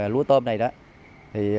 lúa tôm này đó thì